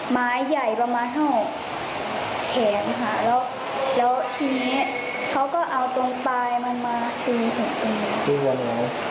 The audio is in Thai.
ไม้ใหญ่ประมาณเท่าแขนค่ะแล้วทีนี้เขาก็เอาตรงปลายมันมาสูงสุดอีก